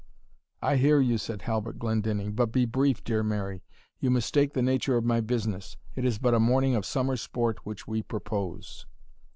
"I hear you," said Halbert Glendinning, "but be brief, dear Mary you mistake the nature of my business it is but a morning of summer sport which we propose."